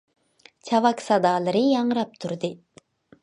چاۋاك سادالىرى ياڭراپ تۇردى.